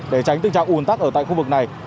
để tránh tình trạng ủn tắc ở tại khu vực này